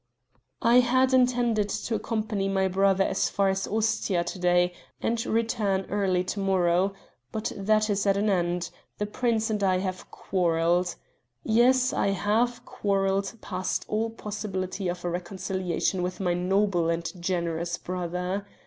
"I had intended to accompany my brother as far as Ostia to day and return early to morrow; but that is at an end the prince and I have quarrelled yes, I have quarrelled past all possibility of a reconciliation with my noble and generous brother.